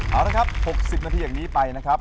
เอาละครับ๖๐นาทีอย่างนี้ไปนะครับ